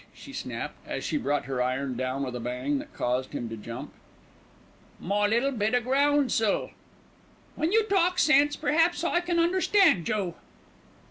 she snapped, as she brought her iron down with a bang that caused him to jump. "My little bit o' groundsel." "When you talk sense, perhaps I can understand you."